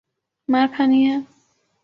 مار کھانی ہے؟